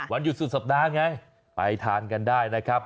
หยุดสุดสัปดาห์ไงไปทานกันได้นะครับ